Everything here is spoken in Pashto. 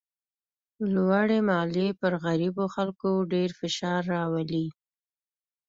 لوړې مالیې پر غریبو خلکو ډېر فشار راولي.